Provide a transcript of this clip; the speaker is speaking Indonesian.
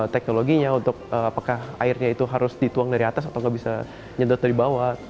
teknologinya untuk apakah airnya itu harus dituang dari atas atau nggak bisa nyedot dari bawah